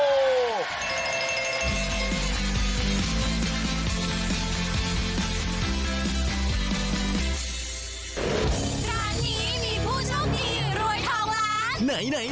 ร้านนี้มีผู้โชคดีรวยทองล้าน